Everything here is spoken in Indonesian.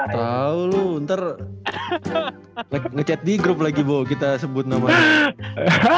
tau lu ntar ngechat di grup lagi bo kita sebut namanya